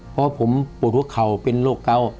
เพราะผมปวดหัวเข่าเป็นโรคเกา